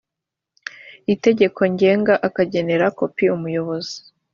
itegeko ngenga akagenera kopi umuyobozi